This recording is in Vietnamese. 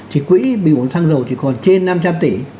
thì quỹ bình ổn giá sang dầu chỉ còn trên năm trăm linh tỷ